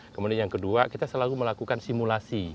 kemudian yang kedua kita selalu melakukan simulasi